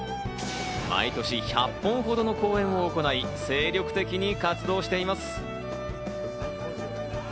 毎年１００本ほどの公演を行い、精力的に活動しています。